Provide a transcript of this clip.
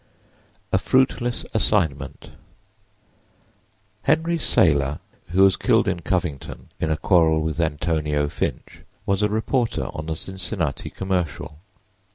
A FRUITLESS ASSIGNMENT HENRY SAYLOR, who was killed in Covington, in a quarrel with Antonio Finch, was a reporter on the Cincinnati Commercial.